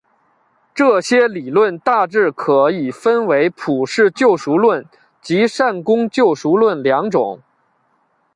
这些理论大致可以分为普世救赎论及善功救赎论两种。